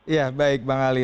ya baik bang ali